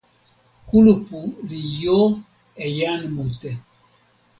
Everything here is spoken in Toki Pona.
kulupu li jo e jan mute.